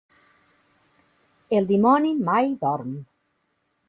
El dimoni mai dorm.